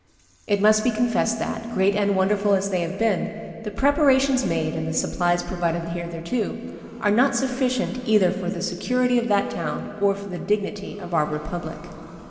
It must be confessed that, great and wonderful as they have been, the preparations made and the supplies provided hitherto are not sufficient either for the security of that town or for the dignity of our republic.